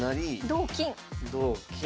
同金。